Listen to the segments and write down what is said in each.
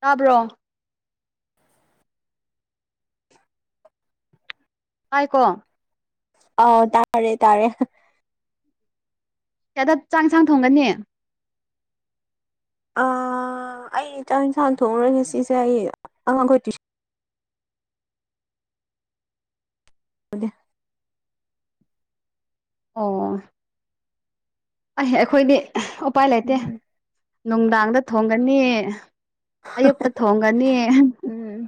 ꯇꯥꯕ꯭ꯔꯣ ꯇꯥꯏ ꯀꯣ ꯑꯥ ꯇꯥꯔꯦ ꯇꯥꯔꯦ ꯀꯌꯥꯗ ꯆꯥꯛ ꯏꯪꯁꯥꯡ ꯊꯣꯡꯒꯅꯤ ꯑꯥ ꯑꯩ ꯆꯥꯛ ꯏꯟꯁꯥꯡ ꯊꯣꯡꯉꯔꯣꯏ ꯉꯁꯤꯁꯦ ꯑꯩ ꯑꯉꯥꯡꯈꯣꯏ ꯇꯨꯏꯁ [inaudible] ꯑꯣ ꯑꯩ ꯑꯩꯈꯣꯏꯗꯤ ꯎꯄꯥꯏ ꯂꯩꯇꯦ ꯎꯝ ꯅꯨꯡꯗꯥꯡꯗ ꯊꯣꯡꯒꯅꯤ ꯑꯌꯨꯛꯇ ꯊꯣꯡꯒꯅꯤ ꯎꯝ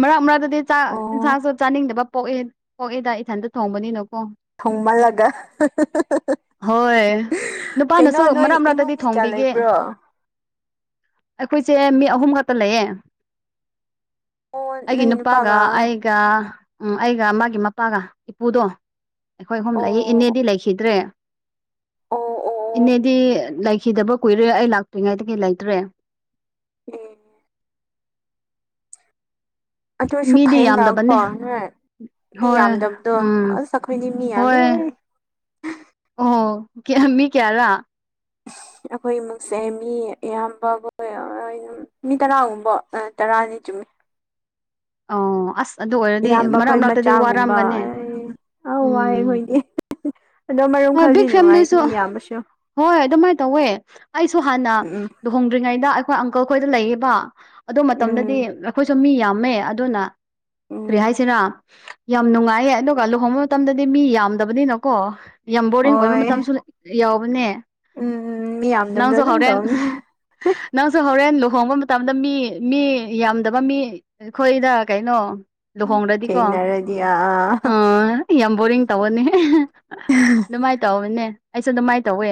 ꯃꯔꯛ ꯃꯔꯛꯇꯗꯤ ꯆꯥꯛ ꯑꯣ ꯏꯟꯁꯥꯡꯁꯨ ꯆꯥꯅꯤꯡꯗꯕ ꯄꯣꯛꯑꯦ ꯄꯣꯛꯑꯦꯗ ꯏꯊꯟꯗ ꯊꯣꯡꯕꯅꯤꯅꯀꯣ ꯊꯣꯡꯃꯜꯂꯒ ꯍꯣꯏ ꯀꯩꯅꯣ ꯅꯨꯄꯥꯅꯁꯨ ꯅꯣꯏ ꯃꯔꯛ ꯏꯃꯨꯡ ꯃꯔꯛꯇꯗꯤ ꯃꯤ ꯀꯌꯥ ꯊꯣꯡꯕꯤꯒꯦ ꯂꯩꯕ꯭ꯔꯣ ꯑꯣ ꯑꯩꯈꯣꯏꯁꯦ ꯃꯤ ꯑꯍꯨꯝ ꯈꯠꯇ ꯂꯩꯌꯦ ꯑꯩꯒꯤ ꯅꯨꯄꯥꯒ ꯑꯩ ꯒ ꯎꯝ ꯑꯩꯒ ꯃꯥꯒꯤ ꯃꯄꯥꯒ ꯏꯄꯨꯗꯣ ꯑꯩꯈꯣꯏ ꯑꯍꯨꯝ ꯂꯩ ꯑꯣ ꯏꯅꯦꯗꯤ ꯂꯩꯈꯤꯗ꯭ꯔꯦ ꯑꯣ ꯑꯣ ꯑꯣ ꯏꯅꯦꯗꯤ ꯂꯩꯈꯤꯗꯕ ꯀꯨꯏꯔꯦ ꯑꯩ ꯂꯥꯛꯇ꯭ꯔꯤꯉꯩ ꯗꯒꯤ ꯂꯩꯇ꯭ꯔꯦ [unintelligible] ꯑꯗꯨꯏꯁꯨ ꯃꯤꯗꯤ ꯌꯥꯝꯗꯕꯅꯦ ꯐꯩꯅꯀꯣ ꯅꯣꯏ ꯃꯤ ꯍꯣꯏ ꯌꯥꯝꯗꯕꯗꯣ ꯎꯝ ꯑꯁ ꯑꯈꯣꯏꯒꯤ ꯃꯤ ꯌꯥꯝꯃꯦ ꯍꯣꯏ ꯑꯣ ꯀ꯭ꯌꯥ ꯃꯤ ꯀꯌꯥꯔ ꯑꯈꯣꯏ ꯏꯃꯨꯡꯁꯦ ꯃꯤ ꯑꯌꯥꯝꯕ [unintelligible] ꯃꯤ ꯇꯔꯥꯒꯨꯝꯕ ꯇꯔꯥꯅꯤ ꯆꯨꯝꯃꯤ ꯑꯣ ꯑꯁ ꯑꯗꯨ ꯑꯣꯏꯔꯗꯤ ꯃꯔꯛ ꯃꯔꯛꯇꯗꯤ ꯋꯥꯔꯝꯒꯅꯤ ꯑꯧ ꯋꯥꯏ ꯎꯝ ꯑꯈꯣꯏꯗꯤ ꯑꯗꯣ ꯃꯔꯝ ꯍꯣꯏ ꯈꯔꯗꯤ ꯕꯤꯛ ꯅꯨꯡꯉꯥꯏ ꯐꯦꯃꯤꯂꯤꯁꯨ ꯃꯤ ꯌꯥꯝꯕꯁꯨ ꯍꯣꯏ ꯑꯗꯨꯃꯥꯏ ꯇꯧꯋꯦ ꯑꯩꯁꯨ ꯍꯥꯟꯅ ꯎꯝ ꯂꯨꯍꯣꯡꯗ꯭ꯔꯤꯉꯩꯗ ꯑꯩꯈꯣꯏ ꯑꯪꯀꯜ ꯈꯣꯏꯗ ꯂꯩꯌꯦꯕ ꯑꯗꯨ ꯃꯇꯝꯗꯗꯤ ꯎꯝ ꯑꯩꯈꯣꯏꯁꯨ ꯃꯤ ꯌꯥꯝꯃꯦ ꯗꯨꯅ ꯎꯝ ꯀꯔꯤ ꯍꯥꯏꯁꯤꯔ ꯌꯥꯝ ꯅꯨꯡꯉꯥꯏꯌꯦ ꯑꯗꯨꯒ ꯂꯨꯍꯣꯡꯕ ꯃꯇꯝꯗꯗꯤ ꯃꯤ ꯌꯥꯝꯗꯕꯅꯤꯅꯀꯣ ꯌꯥꯝ ꯕꯣꯔꯤꯡ ꯑꯣꯏꯕ ꯍꯣꯏ ꯃꯇꯝꯁꯨ ꯌꯥꯎꯕꯅꯦ ꯎꯝ ꯎꯝ ꯃꯤꯌꯥꯝꯗꯕꯗꯣ ꯅꯪꯁꯨ ꯑꯗꯨꯝ ꯍꯣꯔꯦꯟ ꯇꯧꯅꯤ ꯅꯪꯁꯨ ꯍꯧꯔꯦꯟ ꯂꯨꯍꯣꯡꯕ ꯃꯇꯝꯗ ꯃꯤ ꯃꯤ ꯌꯥꯝꯗꯕ ꯃꯤ ꯈꯣꯏꯗ ꯀꯩꯅꯣ ꯂꯨꯍꯣꯡꯔꯗꯤꯀꯣ ꯊꯦꯡꯅꯔꯗꯤ ꯑꯥ ꯑꯥ ꯌꯥꯝ ꯕꯣꯔꯤꯡ ꯇꯧꯕꯅꯤ ꯑꯗꯨꯃꯥꯏ ꯇꯧꯕꯅꯦ ꯑꯩꯁꯨ ꯑꯗꯨꯃꯥꯏ ꯇꯧꯋꯦ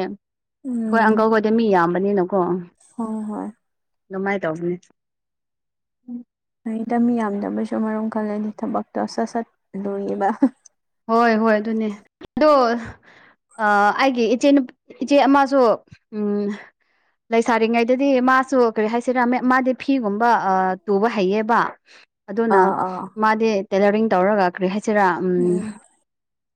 ꯎꯝ ꯍꯣꯏ ꯑꯪꯀꯜ ꯍꯣꯏꯗꯤ ꯃꯤ ꯌꯥꯝꯕꯅꯤꯅꯀꯣ ꯍꯣ ꯍꯣ ꯍꯣꯏ ꯑꯗꯨꯃꯥꯏ ꯇꯧꯕꯅꯦ ꯐꯩꯗ ꯃꯤ ꯌꯥꯝꯗꯕꯩꯁꯨ ꯑꯃꯔꯣꯝ ꯈꯜꯂꯗꯤ ꯊꯕꯛꯇ ꯁꯠ ꯁꯠ ꯂꯣꯏꯕ ꯍꯣꯏ ꯍꯣꯏ ꯑꯗꯨꯅꯦ ꯑꯗꯣ ꯑꯥ ꯑꯩꯒꯤ ꯏꯆꯦ ꯏꯆꯦ ꯑꯃꯁꯨ ꯎꯝ ꯂꯩꯁꯥꯔꯤꯉꯩꯗꯗꯤ ꯃꯥꯁꯨ ꯀꯔꯤ ꯍꯥꯏꯁꯤꯔꯥ ꯃꯥꯗꯤ ꯐꯤꯒꯨꯝꯕ ꯑ ꯇꯨꯕ ꯍꯩꯌꯦꯕ ꯑꯗꯨꯅ ꯑꯥ ꯑꯥ ꯃꯥꯗꯤ ꯇꯦꯂꯔꯤꯡ ꯇꯧꯔꯒ ꯀꯔꯤ ꯍꯥꯏꯁꯤꯔꯥ ꯎꯝ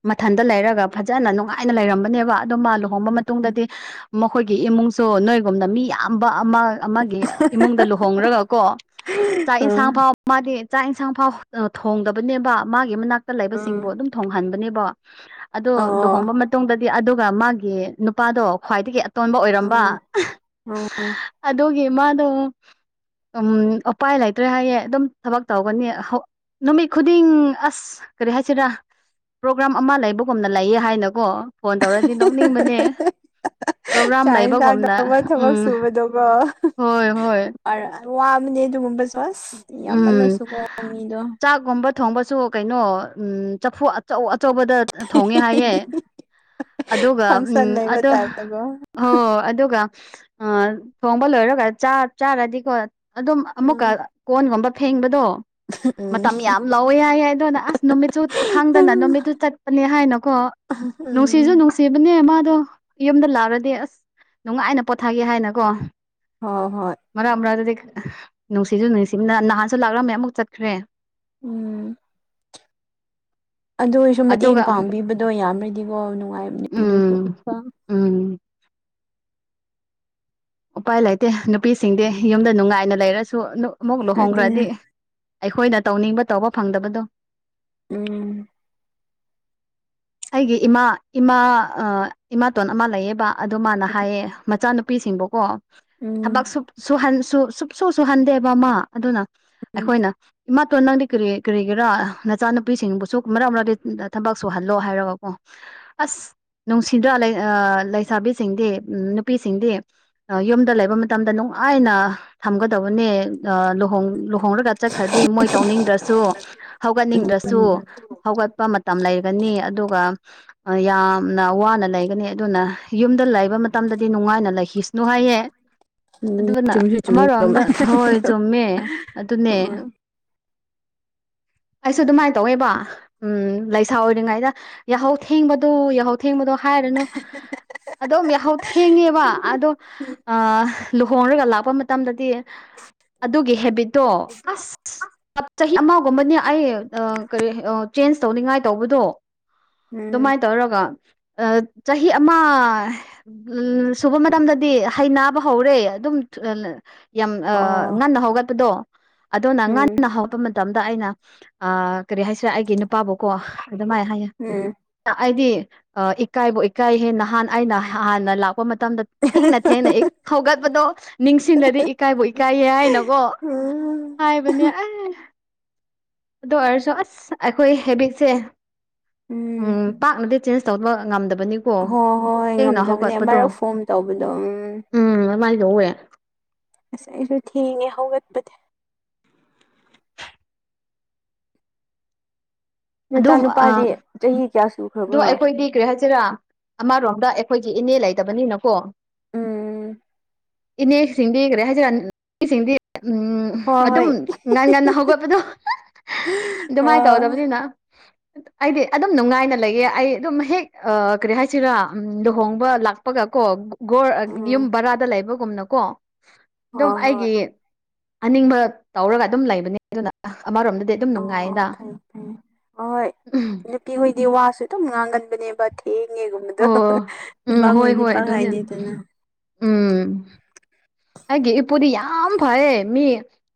ꯃꯊꯟꯇ ꯂꯩꯔꯒ ꯐꯖꯅ ꯅꯨꯡꯉꯥꯏꯅ ꯂꯩꯔꯝꯕꯅꯦꯕ ꯑꯗꯨ ꯃꯥ ꯂꯨꯍꯣꯡꯕ ꯃꯇꯨꯡꯗꯗꯤ ꯃꯈꯣꯏꯒꯤ ꯏꯃꯨꯡꯁꯨ ꯅꯣꯏꯒꯨꯝꯅ ꯃꯤ ꯌꯥꯝꯕ ꯑꯃ ꯑꯃꯒꯤ ꯏꯃꯨꯡꯗ ꯂꯨꯍꯣꯡꯔꯒ ꯀꯣ ꯆꯥꯛ ꯎꯝ ꯏꯟꯁꯥꯡ ꯐꯥꯎꯕ ꯃꯥꯗꯤ ꯆꯥꯛ ꯌꯦꯟꯁꯥꯡ ꯐꯥꯎ ꯊꯣꯡꯗꯕꯅꯦꯕ ꯃꯥꯒꯤ ꯃꯅꯥꯛꯇ ꯎꯝ ꯂꯩꯕꯁꯤꯡꯕꯨ ꯑꯗꯨꯝ ꯊꯣꯡꯍꯟꯕꯅꯦꯕꯣ ꯑꯗꯣ ꯑꯣ ꯂꯨꯍꯣꯡꯕ ꯃꯠ ꯇꯨꯡꯗꯗꯤ ꯑꯗꯨꯒ ꯃꯥꯒꯤ ꯅꯨꯄꯥꯗꯣ ꯈ꯭ꯋꯥꯏꯗꯒꯤ ꯑꯇꯣꯟꯕ ꯑꯣꯏꯔꯝꯕ ꯎꯝ ꯎꯝ ꯑꯗꯨꯒꯤ ꯃꯥꯗꯣ ꯎꯝ ꯎꯄꯥꯏ ꯂꯩꯇ꯭ꯔꯦ ꯍꯥꯏꯌꯦ ꯑꯗꯨꯝ ꯊꯕꯛ ꯇꯧꯒꯅꯤ ꯍꯧ ꯅꯨꯃꯤꯠ ꯈꯨꯗꯤꯡ ꯑꯁ ꯀꯔꯤ ꯍꯥꯏꯁꯤꯔꯥ ꯄ꯭ꯔꯣꯒ꯭ꯔꯥꯝ ꯑꯃ ꯂꯩꯕꯒꯨꯝꯅ ꯂꯩꯌꯦ ꯍꯥꯏꯅꯀꯣ ꯐꯣꯟ ꯇꯧꯔꯗꯤ ꯅꯣꯛꯅꯤꯡꯕꯅꯦ ꯄ꯭ꯔꯣꯒ꯭ꯔꯥꯝ ꯆꯥꯛ ꯏꯟꯁꯥꯡ ꯂꯩꯕꯒꯨꯝꯅ ꯇꯧꯕ ꯊꯕꯛ ꯎꯝ ꯍꯣꯏ ꯍꯣꯏ ꯑꯔ ꯋꯥꯕꯅꯦ ꯑꯗꯨꯒꯨꯝꯕꯁꯨ ꯑꯁ ꯌꯥꯝꯃꯜꯂꯁꯨꯀꯣ ꯃꯤꯗꯣ ꯒꯨꯝꯕ ꯊꯣꯡꯕꯁꯨ ꯎꯝ ꯀꯩꯅꯣ ꯆꯐꯨ ꯑꯆꯧ ꯑꯆꯧꯕꯗ ꯊꯣꯡꯉꯦ ꯍꯥꯏꯌꯦ ꯑꯗꯨꯒ ꯐꯪꯁꯟ ꯎꯝ ꯂꯩꯕ ꯑꯗꯣ ꯇꯥꯏꯞꯇꯀꯣ ꯍꯣꯏ ꯑꯗꯨꯒ ꯑ ꯊꯣꯡꯕ ꯂꯣꯏꯔꯒ ꯆꯥ ꯆꯥꯔꯗꯤꯀꯣ ꯑꯗꯨꯝ ꯎꯝ ꯑꯃꯨꯛꯀ ꯀꯣꯟꯒꯨꯝꯕ ꯐꯦꯡꯕꯗꯣ ꯃꯇꯝ ꯌꯥꯝ ꯂꯥꯎꯑꯦ ꯍꯥꯏꯌꯦ ꯑꯗꯨꯅ ꯑꯁ ꯅꯨꯃꯤꯠꯁꯨ ꯈꯪꯗꯅ ꯎꯝ ꯅꯨꯃꯤꯠꯇꯨ ꯆꯠꯄꯅꯦ ꯍꯥꯏꯅꯀꯣ ꯅꯨꯡꯁꯤꯖꯨ ꯅꯨꯡꯁꯤꯕꯅꯦ ꯃꯥꯗꯣ ꯌꯨꯝꯗ ꯂꯥꯛꯔꯗꯤ ꯑꯁ ꯅꯨꯡꯉꯥꯏꯅ ꯄꯣꯊꯥꯒꯦ ꯍꯥꯏꯅꯀꯣ ꯍꯣ ꯍꯣꯏ ꯃꯔꯛ ꯃꯔꯛ ꯑꯗꯨꯗꯤ ꯈꯠ ꯅꯨꯡꯁꯤꯁꯨ ꯅꯨꯡꯁꯤꯕꯅ ꯅꯍꯥꯟꯁꯨ ꯂꯥꯛꯔꯝꯃꯦ ꯑꯃꯨꯛ ꯆꯠꯈ꯭ꯔꯦ ꯎꯝ ꯑꯗꯨ ꯑꯣꯏꯔꯁꯨ ꯃꯇꯦꯡ ꯑꯗꯨꯒ ꯄꯥꯡꯕꯤꯕꯗꯣ ꯌꯥꯝꯔꯗꯤꯀꯣ ꯅꯨꯡꯉꯥꯏꯕꯅꯦ ꯑꯗꯨꯁꯨ ꯎꯝ ꯀꯣ ꯎꯝ ꯎꯄꯥꯏ ꯂꯩꯇꯦ ꯅꯨꯄꯤꯁꯤꯡꯗꯤ ꯌꯨꯝꯗ ꯅꯨꯡꯉꯥꯏꯅ ꯂꯩꯔꯁꯨ ꯑꯃꯨꯛ ꯂꯨꯍꯣꯡꯈ꯭ꯔꯗꯤ ꯑꯗꯨꯅꯦ ꯑꯩꯈꯣꯏꯅ ꯇꯧꯅꯤꯡꯕ ꯇꯧꯕ ꯐꯪꯗꯕꯗꯣ ꯎꯝ ꯑꯩꯒꯤ ꯏꯃꯥ ꯏꯃꯥ ꯑꯥ ꯏꯃꯥꯇꯣꯟ ꯑꯃ ꯂꯩꯌꯦꯕ ꯑꯗꯨ ꯃꯥꯅ ꯍꯥꯏꯌꯦ ꯃꯆꯥꯅꯨꯄꯤꯁꯤꯡꯕꯨꯀꯣ ꯎꯝ ꯊꯕꯛ ꯁꯨ ꯁꯨꯍꯟ ꯁꯨ ꯁꯨꯨꯛꯁꯨ ꯁꯨꯍꯟꯗꯦ ꯕꯃꯥ ꯑꯗꯨꯅ ꯎꯝ ꯑꯩꯈꯣꯏꯅ ꯏꯃꯥꯇꯣꯟ ꯅꯪꯗꯤ ꯀꯔꯤ ꯀꯔꯤꯒꯤꯔꯥ ꯅꯆꯥꯅꯨꯄꯤꯁꯤꯡꯕꯨꯁꯨ ꯃꯔꯛ ꯃꯔꯛꯇ ꯊꯕꯛ ꯁꯨꯍꯜꯂꯣ ꯍꯥꯏꯔꯒꯀꯣ ꯑꯁ ꯅꯨꯡꯁꯤꯗ꯭ꯔꯥ ꯑ ꯂꯩꯁꯥꯕꯤꯁꯤꯡꯗꯤ ꯎꯝ ꯅꯨꯄꯤꯁꯤꯡꯗꯤ ꯌꯨꯝꯗ ꯂꯩꯕ ꯃꯇꯝꯗ ꯅꯨꯡꯉꯥꯏꯅ ꯊꯝꯒꯗꯕꯅꯦ ꯑ ꯂꯨꯍꯣꯡ ꯂꯨ ꯍꯣꯡꯔꯒ ꯆꯠꯈ꯭ꯔꯗꯤ ꯃꯣꯏ ꯇꯧꯅꯤꯡꯗ꯭ꯔꯁꯨ ꯍꯧꯒꯠꯅꯤꯡꯗ꯭ꯔꯁꯨ ꯍꯧꯒꯠꯄ ꯃꯇꯝ ꯂꯩ ꯒꯅꯤ ꯑꯗꯨꯒ ꯌꯥꯝꯅ ꯋꯥꯅ ꯂꯩꯒꯅꯤ ꯑꯗꯨꯅ ꯌꯨꯝꯗ ꯂꯩꯕ ꯃꯇꯝꯗꯗꯤ ꯅꯨꯡꯉꯥꯏꯅ ꯂꯩꯈꯤꯁꯅꯨ ꯍꯥꯏꯌꯦ ꯎꯝ ꯑꯗꯨꯅ ꯆꯨꯝꯁꯨ ꯆꯨꯝꯃꯤ ꯎꯝ ꯑꯃꯔꯣꯝꯗ ꯍꯣꯏ ꯆꯨꯝꯃꯦ ꯑꯗꯨꯅꯦ ꯑꯩꯁꯨ ꯑꯗꯨꯃꯥꯏꯅ ꯇꯧꯋꯦꯕ ꯎꯝ ꯂꯩ ꯁꯥ ꯑꯣꯏꯔꯤꯉꯩꯗ ꯌꯥꯍꯧ ꯊꯦꯡꯕꯗꯣ ꯌꯥꯍꯧ ꯊꯦꯡꯕꯗꯣ ꯍꯥꯏꯔꯅꯨ ꯑꯗꯣꯝ ꯌꯥꯍꯧ ꯊꯦꯡꯉꯦꯕ ꯑꯗꯣ ꯑ ꯂꯨꯍꯣꯡꯔꯒ ꯂꯥꯛꯄ ꯃꯇꯝꯗꯗꯤ ꯑꯗꯨꯒꯤ ꯍꯦꯕꯤꯠꯇꯣ ꯑꯁ ꯑ ꯆꯍꯤ ꯑꯃꯒꯨꯝꯕꯅꯦ ꯑꯩ ꯀꯔꯤ ꯆꯦꯟꯖ ꯇꯧꯅꯤꯡꯉꯥꯏ ꯇꯧꯕꯗꯣ ꯎꯝ ꯑꯗꯨꯃꯥꯏꯅ ꯇꯧꯔꯒ ꯑꯥ ꯆꯍꯤ ꯑꯃ ꯎꯝ ꯁꯨꯕ ꯃꯇꯝꯗꯗꯤ ꯍꯩ ꯅꯥꯕ ꯍꯧꯔꯦ ꯑꯗꯨꯝ ꯌꯥꯝ ꯑ ꯑꯣ ꯉꯟꯅ ꯍꯧꯒꯠꯄꯗꯣ ꯑꯗꯨꯅ ꯎꯝ ꯉꯟꯅ ꯍꯧꯒꯠꯄ ꯃꯇꯝ ꯃꯇꯝꯗ ꯑꯩꯅ ꯑ ꯀꯔꯤ ꯍꯥꯏꯁꯤꯔ ꯑꯩꯒꯤ ꯅꯨꯄꯥꯕꯨ ꯀꯣ ꯑꯗꯨꯃꯥꯏ ꯍꯥꯏꯌꯦ ꯎꯝ ꯑꯩꯗꯤ ꯏꯀꯥꯏꯕꯨ ꯏꯀꯥꯏꯍꯦ ꯅꯍꯥꯟ ꯑꯩꯅ ꯍꯥꯟꯅ ꯂꯥꯛꯄ ꯃꯇꯝꯗ ꯊꯦꯡꯅ ꯊꯦꯡꯅ ꯍꯧꯒꯠꯄꯗꯣ ꯅꯤꯡꯁꯤꯡꯂꯗꯤ ꯏꯀꯥꯏꯕꯨ ꯏꯀꯥꯏꯌꯦ ꯍꯥꯏꯅꯀꯣ ꯎꯝ ꯍꯥꯏꯕꯅꯦ ꯑ ꯑꯗꯨ ꯑꯣꯏꯔꯁꯨ ꯑꯁ ꯑꯩꯈꯣꯏ ꯍꯦꯕꯤꯇꯁꯦ ꯎꯝ ꯄꯥꯛꯅꯗꯤ ꯆꯦꯟꯖ ꯇꯧꯕ ꯉꯝꯗꯕꯅꯤ ꯍꯣꯏ ꯍꯣꯏ ꯉꯝꯗꯕꯅꯦ ꯑꯃꯔꯛ ꯐꯣꯝ ꯇꯧꯕꯗꯣ ꯎꯝ ꯎꯝ ꯑꯗꯨꯃꯥꯏꯅ ꯇꯧꯋꯦ ꯑꯁ ꯑꯩꯁꯨ ꯊꯦꯡꯉꯦ ꯍꯧꯒꯠꯄꯗꯤ ꯅꯆꯥ ꯅꯨꯄꯥꯗꯤ ꯆꯍꯤ ꯀꯌꯥ ꯁꯨ ꯑꯗꯨ ꯑꯩꯈꯣꯏꯗꯤ ꯀꯔꯤ ꯍꯥꯏꯁꯤꯔꯥ ꯑꯃꯔꯣꯝꯗ ꯑꯦꯈꯣꯏꯒꯤ ꯏꯅꯦ ꯂꯩꯇꯕꯅꯤꯅꯀꯣ ꯎꯝ ꯏꯅꯦꯁꯤꯡꯗꯤ ꯀꯔꯤ ꯍꯥꯏꯖꯤꯔ [unintelligible] ꯁꯤꯡꯗꯤ ꯎꯝ ꯍꯣꯏ ꯑꯗꯨꯝ ꯍꯣꯏ ꯉꯟ ꯉꯟꯅ ꯍꯧꯒꯠꯄꯗꯣ ꯑꯗꯨꯃꯥꯏꯅ ꯍꯣꯏ ꯇꯧꯗꯕꯅꯤꯅ ꯑꯩꯗꯤ ꯑꯗꯨꯝ ꯅꯨꯡꯉꯥꯏꯅ ꯂꯩꯌꯦ ꯑꯩ ꯑꯗꯨꯝ ꯍꯦꯛ ꯀꯔꯤ ꯍꯥꯏꯁꯤꯔꯥ ꯂꯨꯍꯣꯡꯕ ꯂꯥꯛꯄꯒ ꯀꯣ ꯒꯣꯔ ꯑ ꯌꯨꯝ ꯎꯝ ꯕꯔꯥꯗ ꯂꯩꯕꯒꯨꯝꯅꯀꯣ ꯑꯗꯨꯝ ꯍꯣꯏ ꯍꯣꯏ ꯑꯩꯒꯤ ꯑꯅꯤꯡꯕ ꯇꯧꯔꯒ ꯑꯗꯨꯝ ꯂꯩꯕꯅꯦ ꯑꯗꯨꯅ ꯑꯃꯔꯣꯝꯗꯗꯤ ꯑꯗꯨꯝ ꯑꯣ ꯅꯨꯡꯉꯥꯏꯗ ꯐꯩ ꯐꯩ ꯑꯍꯣꯏ ꯅꯨꯄꯤꯍꯣꯏꯗꯤ ꯋꯥꯁꯨ ꯑꯗꯨꯝ ꯉꯥꯡꯒꯟꯕꯅꯦꯕ ꯊꯦꯡꯉꯦꯒꯨꯝꯕꯗꯣ ꯑꯣ ꯎꯝ ꯍꯣꯏ ꯅꯨꯄꯥꯈꯣꯏꯗꯤ ꯍꯣꯏ ꯄꯥꯛ ꯑꯗꯨꯅꯦ ꯍꯥꯏꯗꯦꯗꯅ ꯎꯝ ꯑꯩꯒꯤ ꯏꯄꯨꯗꯤ ꯌꯥꯝ ꯐꯌꯦ ꯃꯤ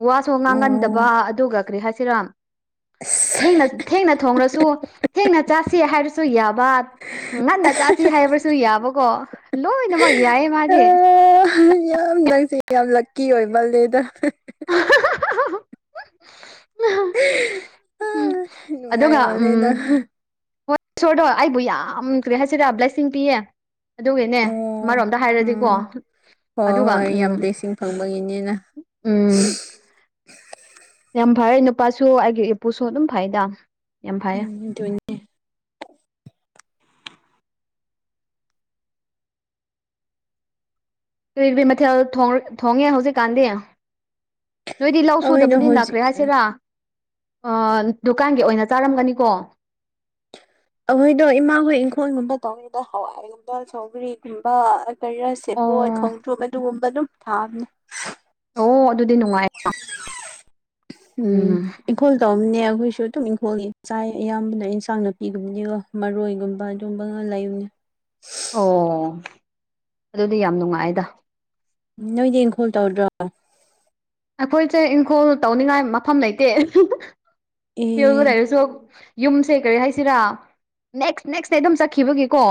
ꯋꯥꯁꯨ ꯉꯥꯡꯒꯟꯗꯕ ꯑꯣ ꯑꯗꯨꯒ ꯀ꯭ꯔꯤ ꯍꯥꯏꯁꯤꯔꯥ ꯑꯁ ꯊꯦꯡꯅ ꯊꯦꯡꯅ ꯊꯣꯡꯔꯁꯨ ꯊꯦꯡꯅ ꯆꯥꯁꯤ ꯍꯥꯏꯔꯁꯨ ꯌꯥꯕ ꯉꯟꯅ ꯆꯥꯁꯤ ꯍꯥꯏꯕꯁꯨ ꯌꯥꯕꯀꯣ ꯂꯣꯏꯅꯃꯛ ꯌꯥꯏꯌꯦ ꯃꯥꯗꯤ ꯌꯥꯝ ꯅꯪꯁꯦ ꯌꯥꯝ ꯂꯛꯀꯤ ꯑꯣꯏꯃꯂꯦꯗ [unintelligible] ꯑꯗꯨꯒ ꯎꯝ ꯅꯨꯡꯉꯥꯏꯃꯜꯂꯦ ꯅꯪ ꯍꯣ ꯁꯣꯔꯗꯣ ꯑꯩꯕꯨ ꯌꯥꯝ ꯀꯔꯤ ꯍꯥꯏꯁꯤꯔ ꯕ꯭ꯂꯦꯁꯤꯡ ꯄꯤꯌꯦ ꯑꯗꯨꯒꯤꯅꯦ ꯑꯣ ꯑꯃꯔꯣꯝꯗ ꯍꯥꯏꯔꯗꯤꯀꯣ ꯎꯝ ꯍꯣꯏ ꯑꯗꯨꯒ ꯍꯣꯏ ꯎꯝ ꯌꯥꯝ ꯕ꯭ꯂꯦꯁꯤꯡ ꯐꯪꯕꯒꯤꯅꯤꯅ ꯎꯝ ꯌꯥꯝ ꯐꯔꯦ ꯅꯨꯄꯥꯁꯨ ꯑꯩꯒꯤ ꯏꯄꯨꯁꯨ ꯑꯗꯨꯝ ꯐꯩꯗ ꯌꯥꯝ ꯐꯩꯌꯦ ꯎꯝ ꯗꯨꯅꯦ ꯀꯔꯤ ꯀꯔꯤ ꯃꯊꯦꯜ ꯊꯣꯡ ꯊꯣꯡꯉꯦ ꯍꯧꯖꯤꯛ ꯀꯥꯟꯗꯤ ꯅꯣꯏꯗꯤ ꯂꯧ ꯑꯩꯈꯣꯏꯗꯣ ꯁꯨꯗꯕꯅꯤꯅ ꯍꯧꯖꯤꯛ ꯀ꯭ꯔꯤ ꯍꯥꯏꯁꯤꯔꯥ ꯑ ꯗꯨꯀꯥꯟꯒꯤ ꯑꯣꯏꯅ ꯆꯥꯔꯝꯒꯅꯤꯀꯣ ꯑꯈꯣꯏꯗꯣ ꯏꯃꯥꯈꯣꯏ ꯏꯪꯈꯣꯜꯒꯨꯝꯕ ꯇꯧꯋꯦꯗ ꯍꯋꯥꯏꯒꯨꯝꯕ ꯁꯧꯒ꯭ꯔꯤꯒꯨꯝꯕ ꯀꯔꯤ ꯑꯁ ꯁꯦꯕꯣꯠ ꯑꯣ ꯈꯣꯡꯇ꯭ꯔꯨꯝ ꯑꯗꯨꯒꯨꯝꯕ ꯑꯗꯨꯝ ꯊꯥꯝꯅꯦ ꯑꯣ ꯑꯗꯨꯗꯤ ꯅꯨꯡꯉꯥꯏ ꯎꯝ ꯏꯪꯈꯣꯜ ꯇꯧꯝꯅꯦ ꯑꯩꯈꯣꯏꯁꯨ ꯑꯗꯨꯝ ꯏꯪꯈꯣꯜꯒꯤ ꯆꯥꯏ ꯑꯌꯥꯝꯕꯅ ꯏꯟꯁꯥꯡ ꯅꯥ ꯄꯤ ꯒꯨꯝꯕꯅꯤꯀꯣ ꯃꯔꯣꯏꯒꯨꯝꯕ ꯑꯗꯨꯒꯨꯝꯕꯒ ꯂꯩꯕꯅꯦ ꯑꯣ ꯑꯗꯨꯗꯤ ꯌꯥꯝ ꯅꯨꯡꯉꯥꯏꯗ ꯅꯣꯏꯗꯤ ꯏꯪꯈꯣꯜ ꯇꯧꯗ꯭ꯔꯣ ꯑꯩꯈꯣꯏꯁꯦ ꯏꯪꯈꯣꯜ ꯇꯧꯅꯤꯡꯉꯥꯏ ꯃꯐꯝ ꯂꯩꯇꯦ ꯑꯦ ꯐꯤꯜꯗ ꯂꯩꯔꯁꯨ ꯌꯨꯝꯁꯦ ꯀꯔꯤ ꯍꯥꯏꯁꯤꯔꯥ ꯅꯦꯛꯁ ꯅꯦꯛꯁ ꯅꯦ ꯑꯗꯨꯝ ꯆꯠꯈꯤꯕꯒꯤꯀꯣ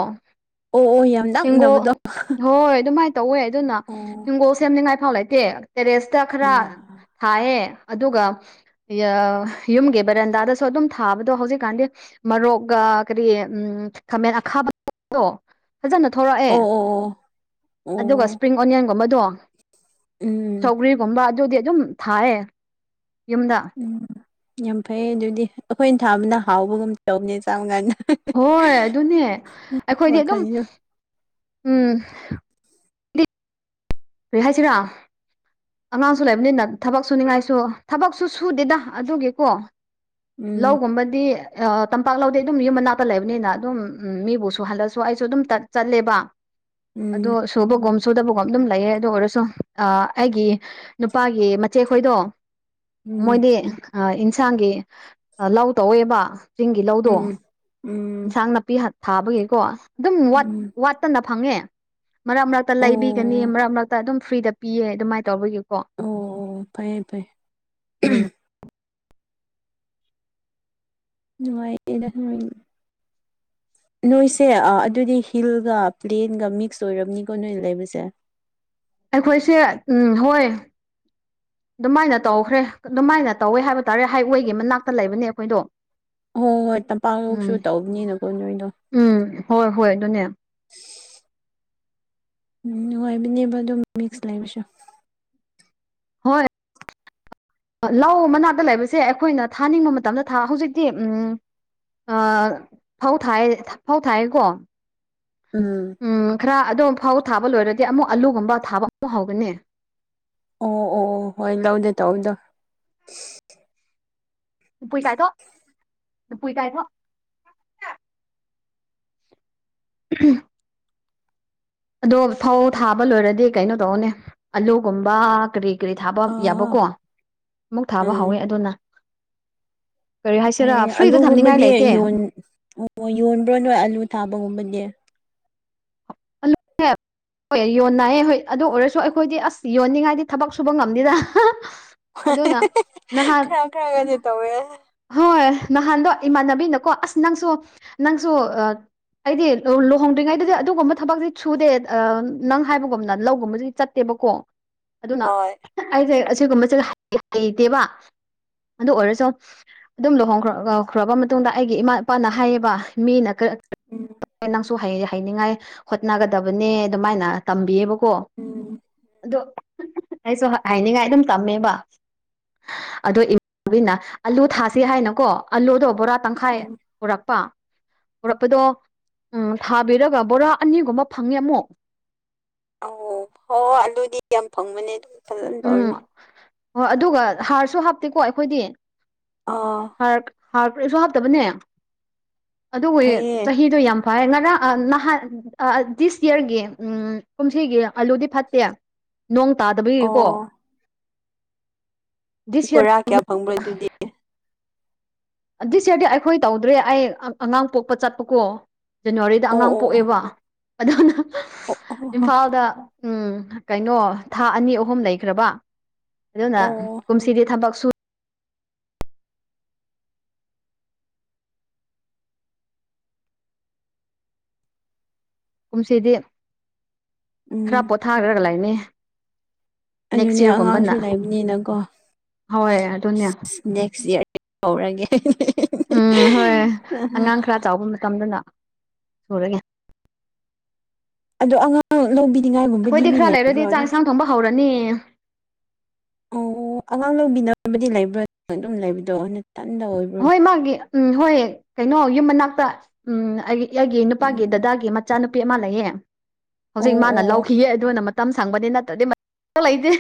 ꯑꯣ ꯑꯣ ꯌꯥꯝ ꯍꯤꯡꯒꯣꯜ ꯅꯛꯅꯕꯗꯣ ꯍꯣꯏ ꯑꯗꯨꯃꯥꯏꯅ ꯇꯧꯋꯦ ꯑꯗꯨꯅ ꯑꯣ ꯍꯤꯡꯒꯣꯜ ꯁꯦꯝꯅꯤꯡꯉꯥꯏꯐꯥꯎ ꯂꯩꯇꯦ ꯇꯦꯔꯦꯁꯇ ꯈꯔ ꯁꯥꯏꯌꯦ ꯑꯗꯨꯒ ꯌꯣ ꯌꯨꯝꯒꯤ ꯕꯔꯦꯟꯗꯥꯗꯁꯨ ꯑꯗꯨꯝ ꯊꯥꯕꯗꯣ ꯍꯧꯖꯤꯛꯀꯥꯟꯗꯤ ꯃꯔꯣꯛꯒ ꯀꯔꯤ ꯎꯝ ꯈꯥꯃꯦꯟ ꯑꯈꯥꯕꯗꯣ ꯐꯖꯅ ꯊꯣꯔꯛꯑꯦ ꯑꯣ ꯑꯣ ꯑꯣ ꯑꯣ ꯑꯗꯨꯒ ꯏꯁꯄ꯭ꯔꯤꯡ ꯑꯣꯅꯤꯌꯟꯒꯨꯝꯕꯗꯣ ꯎꯝ ꯁꯧꯒ꯭ꯔꯤꯒꯨꯝꯕ ꯑꯗꯨꯗꯤ ꯑꯗꯨꯝ ꯊꯥꯏꯌꯦ ꯌꯨꯝꯗ ꯎꯝ ꯌꯥꯝ ꯐꯩꯌꯦ ꯑꯗꯨꯗꯤ ꯑꯩꯈꯣꯏꯅ ꯊꯥꯕꯅ ꯍꯥꯎꯕꯒꯨꯝ ꯇꯧꯕꯅꯦ ꯆꯥꯡꯅꯥꯏꯅ ꯍꯣꯏ ꯑꯗꯨꯅꯦ ꯑꯩꯈꯣꯏꯗꯤ ꯑꯗꯨꯝ ꯋꯥꯈꯜꯁꯨ ꯎꯝ ꯀꯔꯤꯍꯥꯏꯁꯤꯔ ꯑꯉꯥꯡꯁꯨ ꯂꯩꯕꯅꯤꯅ ꯊꯕꯛ ꯁꯨꯅꯤꯡꯉꯥꯏꯁꯨ ꯊꯕꯛꯁꯨ ꯁꯨꯗꯦꯗ ꯑꯗꯨꯒꯤꯀꯣ ꯎꯝ ꯂꯧꯒꯨꯝꯕꯗꯤ ꯑ ꯇꯝꯄꯥꯛ ꯂꯧꯗꯤ ꯑꯗꯨꯝ ꯌꯨꯝ ꯃꯅꯥꯛꯇ ꯂꯩꯕꯅꯤꯅ ꯑꯗꯨꯝ ꯎꯝ ꯃꯤꯕꯨꯁꯨ ꯍꯜꯂꯛꯁꯨ ꯑꯩꯁꯨ ꯑꯗꯨꯝ ꯆꯠꯂꯦꯕ ꯑꯗꯣ ꯎꯝ ꯁꯨꯕꯒꯨꯝ ꯁꯨꯗꯕꯒꯨꯝ ꯑꯗꯨꯝ ꯂꯩꯌꯦ ꯑꯗꯨ ꯑꯣꯏꯔꯁꯨ ꯑ ꯑꯩꯒꯤ ꯅꯨꯄꯥꯒꯤ ꯃꯆꯦꯈꯣꯏꯗꯣ ꯎꯝ ꯃꯣꯏꯗꯤ ꯑ ꯏꯟꯁꯥꯡꯒꯤ ꯂꯧ ꯇꯧꯋꯦꯕ ꯆꯤꯡꯒꯤ ꯂꯧꯗꯣ ꯎꯝ ꯎꯝ ꯑꯦꯟꯁꯥꯡ ꯅꯥꯄꯤ ꯊꯥꯕꯒꯤꯀꯣ ꯑꯗꯨꯝ ꯋꯥꯠ ꯎꯝ ꯋꯥꯠꯇꯅ ꯐꯪꯉꯦ ꯃꯔꯛ ꯃꯔꯛꯇ ꯑꯣ ꯂꯩꯕꯤꯒꯅꯤ ꯑꯣ ꯃꯔꯛ ꯃꯔꯛꯇ ꯑꯗꯨꯝ ꯐ꯭ꯔꯤꯗ ꯄꯤꯌꯦ ꯑꯗꯨꯃꯥꯏꯅ ꯇꯧꯕꯒꯤ ꯑꯣ ꯑꯣ ꯐꯩꯌꯦ ꯐꯩꯌꯦ ꯎꯝ ꯅꯨꯡꯉꯥꯏꯌꯦꯗ ꯅꯣꯏꯑꯅꯤ ꯅꯣꯏꯁꯦ ꯑꯥ ꯑꯗꯨꯗꯤ ꯍꯤꯜꯒ ꯄ꯭ꯂꯦꯟꯒ ꯃꯤꯛꯁ ꯑꯣꯏꯔꯝꯅꯤꯀꯣ ꯅꯣꯏ ꯂꯩꯕꯁꯦ ꯑꯩꯈꯣꯏꯁꯦ ꯎꯝ ꯍꯣꯏ ꯑꯗꯨꯃꯥꯏꯅ ꯇꯧꯈ꯭ꯔꯦ ꯑꯗꯨꯃꯥꯏꯅ ꯇꯧꯋꯦ ꯍꯥꯏꯕ ꯇꯥꯔꯦ ꯍꯥꯏꯋꯦꯒꯤ ꯃꯅꯥꯛꯇ ꯂꯩꯕꯅꯦ ꯑꯩꯈꯣꯏꯗꯣ ꯍꯣꯏ ꯍꯣꯏ ꯇꯝꯄꯥꯛ ꯂꯧꯁꯨ ꯎꯝ ꯇꯧꯕꯅꯤꯅꯀꯣ ꯅꯣꯏꯗꯣ ꯎꯝ ꯍꯣꯏ ꯍꯣꯏ ꯑꯗꯨꯅꯦ ꯎꯝ ꯅꯨꯡꯉꯥꯏꯕꯅꯦꯕ ꯑꯗꯨꯝ ꯃꯤꯛꯁ ꯂꯩꯕꯁꯨ ꯍꯣꯏ ꯂꯧ ꯃꯅꯥꯛꯇ ꯂꯩꯕꯁꯦ ꯑꯩꯈꯣꯏꯅ ꯊꯥꯅꯤꯡꯕ ꯃꯇꯝꯗ ꯊꯥ ꯍꯧꯖꯤꯛꯇꯤ ꯎꯝ ꯑ ꯐꯧ ꯊꯥꯏꯌꯦ ꯐꯧ ꯊꯥꯏꯌꯦꯀꯣ ꯎꯝ ꯎꯝ ꯈꯔ ꯑꯗꯣꯝ ꯐꯥꯎ ꯊꯥꯕ ꯂꯣꯏꯔꯗꯤ ꯑꯃꯨꯛ ꯑꯂꯨꯒꯨꯝꯕ ꯊꯥꯕ ꯑꯃꯨꯛ ꯍꯧꯒꯅꯤ ꯑꯣ ꯑꯣ ꯑꯣ ꯍꯣꯏ ꯂꯧꯗ ꯇꯧꯕꯗꯣ ꯄꯨꯏꯄꯨꯏꯀꯥꯏꯊꯣ [unintelligible] [unintelligible] ꯑꯗꯣ ꯐꯧ ꯊꯥꯕ ꯂꯣꯏꯔꯗꯤ ꯀꯩꯅꯣ ꯇꯧꯅꯦ ꯑꯂꯨꯒꯨꯝꯕ ꯀꯔꯤ ꯀꯔꯤ ꯊꯥꯕ ꯑꯥ ꯑꯥ ꯌꯥꯕꯀꯣ ꯑꯃꯨꯛ ꯊꯥꯕ ꯎꯝ ꯍꯧꯋꯦ ꯑꯗꯨꯅ ꯀꯔꯤ ꯍꯥꯏꯁꯤꯔꯥ ꯐꯩꯌꯦ ꯐ꯭ꯔꯤꯗ ꯊꯝꯅꯤꯡꯉꯥꯏ ꯑꯂꯨꯒꯨꯝꯕꯗꯤ ꯂꯩꯇꯦ ꯌꯣꯟ ꯑꯣ ꯌꯣꯟꯕ꯭ꯔꯣ ꯅꯣꯏ ꯑꯂꯨ ꯊꯥꯕꯒꯨꯝꯕꯗꯤ [unintelligible] ꯍꯣꯏ ꯌꯣꯟꯅꯥꯏꯌꯦ ꯍꯣꯏ ꯑꯗꯨ ꯑꯣꯏꯔꯁꯨ ꯑꯩꯈꯣꯏꯗꯤ ꯑꯁ ꯌꯣꯟꯅꯤꯡꯉꯥꯏꯗꯤ ꯊꯕꯛ ꯁꯨꯕ ꯉꯝꯗꯦꯗ [unintelligible] ꯅꯍꯥꯟ ꯈꯔ ꯈꯔꯒꯗꯤ ꯇꯧꯋꯦ ꯍꯣꯏ ꯅꯍꯥꯟꯗꯣ ꯏꯃꯥꯟꯅꯕꯤꯅꯀꯣ ꯑꯁ ꯅꯪꯁꯨ ꯅꯪꯁꯨ ꯑꯥ ꯑꯩꯗꯤ ꯂꯨꯍꯣꯡꯗ꯭ꯔꯤꯉꯩꯗꯗꯤ ꯑꯗꯨꯒꯨꯝꯕ ꯊꯕꯛꯇꯤ ꯁꯨꯗꯦ ꯑꯥ ꯅꯪ ꯍꯥꯏꯕꯒꯨꯝꯅ ꯂꯧꯒꯨꯝꯕꯗꯤ ꯆꯥꯠꯇꯦꯕꯀꯣ ꯑꯗꯨꯅ ꯍꯣꯏ ꯑꯩꯁꯦ ꯑꯁꯤꯒꯨꯝꯕꯁꯦ ꯍꯩꯇꯦꯕ ꯑꯗꯨ ꯑꯣꯏꯔꯁꯨ ꯑꯗꯨꯝ ꯂꯨꯍꯣꯡꯈ꯭ꯔꯈ꯭ꯔꯕ ꯃꯇꯨꯡꯗ ꯑꯩꯒꯤ ꯏꯃꯥ ꯏꯄꯥꯅ ꯍꯥꯏꯌꯦꯕ ꯃꯤꯅ ꯎꯝ [unintelligible] ꯅꯪꯁꯨ ꯍꯩ ꯍꯩꯅꯤꯡꯉꯥꯏ ꯍꯣꯠ ꯍꯣꯠꯅꯒꯗꯕꯅꯦ ꯑꯗꯨꯃꯥꯏꯅ ꯇꯝꯕꯤꯌꯦꯕꯀꯣ ꯎꯝ ꯑꯗꯣ ꯑꯩꯁꯨ ꯍꯩꯅꯤꯡꯉꯥꯏ ꯑꯗꯨꯝ ꯇꯝꯃꯦꯕ ꯑꯗꯣ ꯏꯃꯥꯅꯕꯤꯅ ꯑꯥꯂꯨ ꯊꯥꯁꯤ ꯍꯥꯏꯅꯀꯣ ꯑꯥꯂꯨꯗꯣ ꯕꯣꯔꯥ ꯇꯪꯈꯥꯏ ꯎꯝ ꯄꯨꯔꯛꯄ ꯄꯨꯔꯛꯄꯗꯣ ꯎꯝ ꯊꯥꯕꯤꯔꯒ ꯕꯣꯔꯥ ꯑꯅꯤꯒꯨꯝꯕ ꯐꯪꯉꯦ ꯑꯃꯨꯛ ꯑꯣ ꯍꯣꯏ ꯑꯥꯂꯨꯗꯤ ꯌꯥꯝ ꯐꯪꯕꯅꯦ ꯑꯗꯨꯝ ꯎꯝ ꯐꯖꯥꯟꯇꯧꯔꯗꯤ ꯑꯗꯨꯒ ꯍꯥꯔꯁꯨ ꯍꯥꯞꯇꯦꯀꯣ ꯑꯩꯈꯣꯏꯗꯤ ꯑꯥ ꯍꯥꯔ ꯍꯥꯔꯀꯔꯤꯁꯨ ꯍꯥꯞꯇꯕꯅꯦ ꯑꯗꯨꯕꯨ ꯐꯩꯌꯦ ꯆꯍꯤꯗꯣ ꯌꯥꯝ ꯉꯔꯥꯡ ꯅꯍꯥꯟ ꯗꯤꯁ ꯏꯌꯥꯔꯒꯤ ꯎꯝ ꯀꯨꯝꯁꯤꯒꯤ ꯑꯥꯂꯨꯗꯤ ꯐꯠꯇꯦ ꯅꯣꯡ ꯇꯥꯗꯕꯒꯤꯀꯣ ꯑꯣ ꯗꯤꯁ ꯌꯔ ꯕꯣꯔꯥ ꯀꯌꯥ ꯐꯪꯕ꯭ꯔ ꯑꯗꯨꯗꯤ ꯗꯤꯁ ꯏꯌꯥꯔꯗꯤ ꯑꯩꯈꯣꯏ ꯇꯧꯗ꯭ꯔꯦ ꯑꯩ ꯑꯉꯥꯡ ꯄꯣꯛꯄ ꯆꯥꯠꯄꯀꯣ ꯖꯅꯋꯥꯔꯤꯗ ꯑꯣ ꯑꯉꯥꯡ ꯑꯣ ꯄꯣꯛꯑꯦꯕ ꯑꯗꯨꯅ ꯑꯣ ꯑꯣ ꯑꯣ ꯏꯝꯐꯥꯜꯗ ꯎꯝ ꯀꯩꯅꯣ ꯊꯥ ꯑꯅꯤ ꯑꯍꯨꯝ ꯂꯩꯈ꯭ꯔꯕ ꯑꯗꯨꯅ ꯑꯣ ꯀꯨꯝꯁꯤꯗꯤ ꯊꯕꯛ ꯁꯨ ꯀꯨꯝꯁꯤꯗꯤ ꯈꯔ ꯎꯝ ꯄꯣꯊꯥꯈ꯭ꯔꯒ ꯂꯩꯅꯤ ꯅꯦꯛꯁ ꯑꯗꯨꯅꯦ ꯑꯉꯥꯡꯁꯨ ꯌꯔꯒꯨꯝꯕꯅ ꯂꯩꯕꯅꯤꯅꯀꯣ ꯍꯣꯏ ꯑꯗꯨꯅꯦ ꯅꯦꯛꯁ ꯏꯌꯥꯔ ꯍꯧꯔꯒꯦ ꯎꯝ ꯍꯣꯏ ꯑꯉꯥꯡ ꯈꯔ ꯆꯥꯎꯕ ꯃꯇꯝꯗꯅ ꯁꯨꯔꯦꯅꯦ [unintelligible] [unintelligible] ꯑꯗꯣ ꯑꯉꯥꯡ ꯂꯧꯕꯤꯅꯤꯡꯉꯥꯏꯒꯨꯝꯕꯗꯤ ꯑꯩꯈꯣꯏꯗꯤ ꯃꯤ ꯈꯔ ꯂꯩꯕ꯭ꯔꯣ ꯂꯩꯔꯗꯤ ꯆꯥꯛ ꯏꯟꯁꯥꯡ ꯅꯠꯇ꯭ꯔꯥ ꯊꯣꯡꯕ ꯍꯧꯔꯅꯤ ꯑꯣ ꯑꯉꯥꯡ ꯂꯧꯕꯤꯅꯕꯗꯤ ꯂꯩꯕ꯭ꯔꯥ ꯑꯗꯨꯝ ꯂꯩꯕꯗꯣ ꯅꯊꯟꯗ ꯑꯣꯏꯕ꯭ꯔꯣ ꯍꯣꯏ ꯃꯥꯒꯤ ꯎꯝ ꯍꯣꯏ ꯀꯩꯅꯣ ꯌꯨꯝ ꯃꯅꯥꯛꯇ ꯎꯝ ꯑꯩ ꯑꯩꯒꯤ ꯅꯨꯄꯥꯒꯤ ꯎꯝ ꯗꯥꯗꯥꯒꯤ ꯃꯆꯥꯅꯨꯄꯤ ꯑꯃ ꯂꯩꯌꯦ ꯑꯣ ꯍꯧꯖꯤꯛ ꯑꯣ ꯃꯥꯅ ꯑꯣ ꯂꯧꯈꯤꯌꯦ ꯑꯗꯨꯅ ꯃꯇꯝ ꯁꯪꯕꯅꯤ ꯅꯠꯇ꯭ꯔꯗꯤ ꯃꯇꯝ ꯂꯩꯇꯦ